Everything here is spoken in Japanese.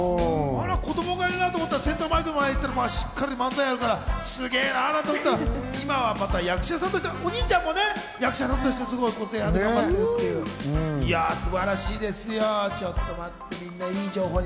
子供がいるなと思ったら、センターマイク前に行ったらしっかり漫才やるから、すげぇなと思っていたら、今は役者さんとしてお兄ちゃんも役者さんとして個性があって、素晴らしいです。